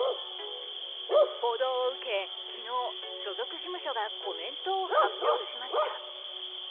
報道を受け、昨日所属事務所がコメントを発表しました。